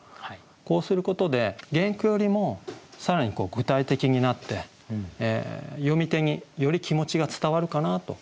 こうすることで原句よりも更に具体的になって読み手により気持ちが伝わるかなというふうに思いますが。